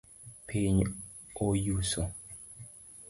Piny oyuso.